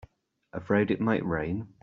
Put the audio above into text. Afraid it might rain?